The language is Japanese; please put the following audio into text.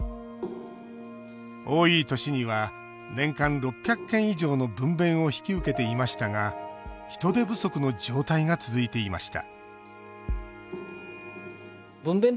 多い年には年間６００件以上の分べんを引き受けていましたが人手不足の状態が続いていました